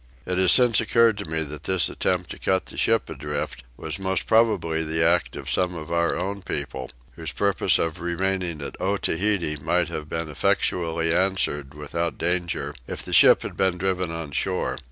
It has since occurred to me that this attempt to cut the ship adrift was most probably the act of some of our own people; whose purpose of remaining at Otaheite might have been effectually answered without danger if the ship had been driven on shore.